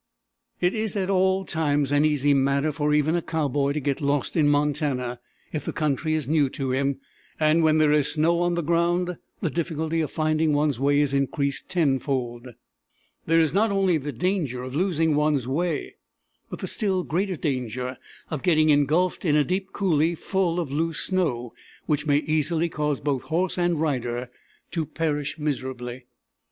It is at all times an easy matter for even a cowboy to get lost in Montana if the country is new to him, and when there is snow on the ground the difficulty of finding one's way is increased tenfold. There is not only the danger of losing one's way, but the still greater danger of getting ingulfed in a deep coulée full of loose snow, which may easily cause both horse and rider to perish miserably.